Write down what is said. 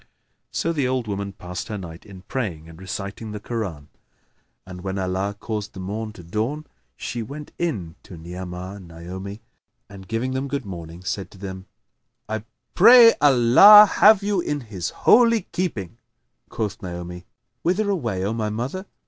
So the old woman passed her night in praying and reciting the Koran; and when Allah caused the morn to dawn, she went in to Ni'amah and Naomi and, giving them good morning, said to them, "I pray Allah have you in His holy keeping!" Quoth Naomi, "Whither away, O my mother?